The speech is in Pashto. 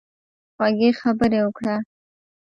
خوږې خبرې وکړه.